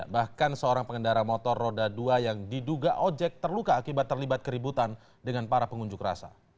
bahkan seorang pengendara motor roda dua yang diduga ojek terluka akibat terlibat keributan dengan para pengunjuk rasa